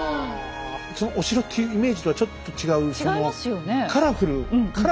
そのお城っていうイメージとはちょっと違う。